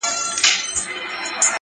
• يوه ورځ يو هلک پوښتنه کوي..